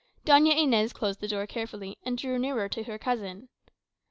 Doña Inez closed the door carefully, and drew nearer to her cousin.